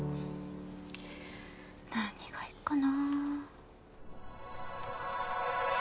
何がいいかな？